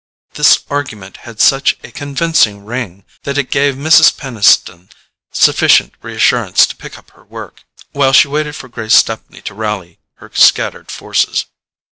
This argument had such a convincing ring that it gave Mrs. Peniston sufficient reassurance to pick up her work, while she waited for Grace Stepney to rally her scattered forces.